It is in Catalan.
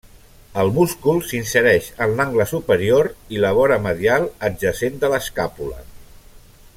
El múscul s'insereix en l'angle superior i la vora medial adjacent de l'escàpula.